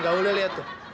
gaulnya lihat tuh